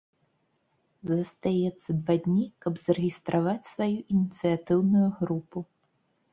Застаецца два дні, каб зарэгістраваць сваю ініцыятыўную групу.